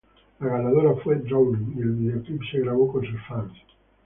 La ganadora fue "Drowning", y el videoclip se grabó con sus fans.